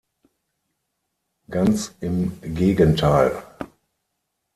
Ganz im Gegenteil.